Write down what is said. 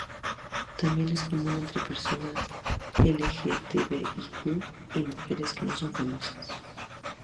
también es común entre personas lgtbiq y mujeres que no son famosas